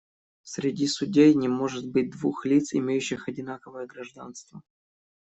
Среди судей не может быть двух лиц, имеющих одинаковое гражданство.